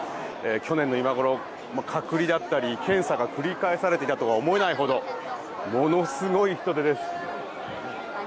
去年の今頃、隔離だったり検査が繰り返されていたとは思えないほどものすごい人出です。